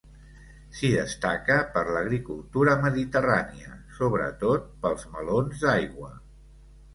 S'hi destaca per l'agricultura mediterrània, sobretot pels melons d'aigua.